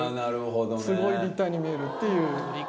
スゴい立体に見えるっていう。